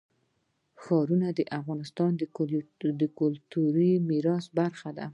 ښارونه د افغانستان د کلتوري میراث برخه ده.